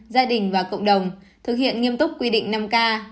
gia đình và cộng đồng thực hiện nghiêm túc quy định năm k